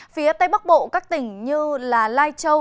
phía tây bắc bộ các tỉnh như lai châu